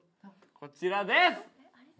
こちらです！